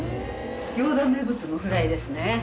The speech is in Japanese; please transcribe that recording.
行田名物のフライですね。